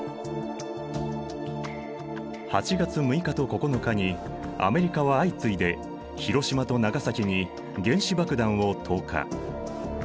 ８月６日と９日にアメリカは相次いで広島と長崎に原子爆弾を投下。